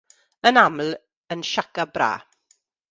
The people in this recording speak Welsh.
Yn aml yn 'shaka brah'.